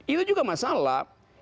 itu juga masalah